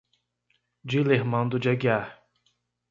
Dilermando de Aguiar